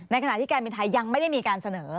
ขณะที่การบินไทยยังไม่ได้มีการเสนอ